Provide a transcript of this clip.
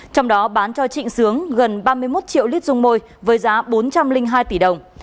trong đó bán cho trịnh sướng gần ba mươi một triệu lít dung môi với giá bốn trăm linh hai tỷ đồng